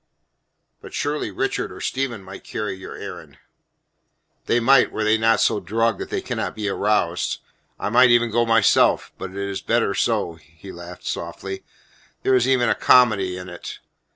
"But surely Richard or Stephen might carry your errand?" "They might were they not so drugged that they cannot be aroused. I might even go myself, but it is better so." He laughed softly. "There is even comedy in it.